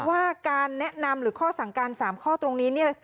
ว่าการแนะนำหรือข้อสั่งการ๓ข้อตรงนี้เนี่ย